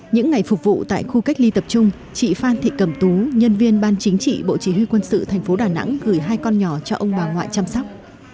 những ngày phục vụ tại khu cách ly tập trung chị phan thị cẩm tú nhân viên ban chính trị bộ chỉ huy quân sự tp đà nẵng gửi hai con nhỏ cho ông bà ngoại chăm sóc